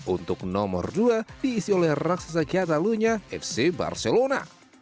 untuk nomor dua diisi oleh raksasa kiatalunya fc barcelona